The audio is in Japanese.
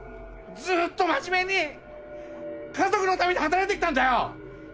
ずっと真面目に家族のために働いてきたんだよ！